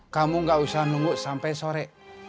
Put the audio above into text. kamu gak usah nunggu sampai sore